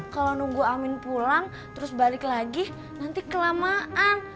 kalau nunggu amin pulang terus balik lagi nanti kelamaan